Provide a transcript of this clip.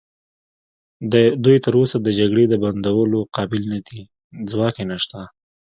دوی تراوسه د جګړې د بندولو قابل نه دي، ځواک یې نشته.